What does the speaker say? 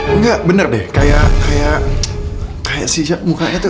enggak bener deh kayak kayak kayak si muka itu